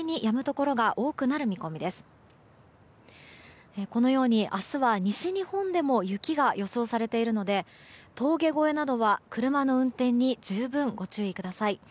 このように明日は西日本でも雪が予想されているので峠越えなどは車の運転に十分ご注意ください。